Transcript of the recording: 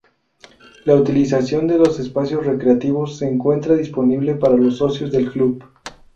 La utilización de los espacios recreativos se encuentra disponible para los socios del club.